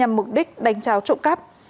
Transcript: với mục đích đánh tráo trộm cắp